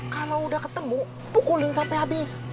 kalau udah ketemu pukulin sampai habis